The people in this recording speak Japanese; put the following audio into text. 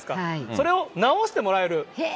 それを直してもらえる。